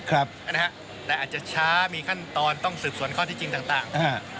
ครับนะฮะแต่อาจจะช้ามีขั้นตอนต้องสืบส่วนข้อที่จริงต่างอ่า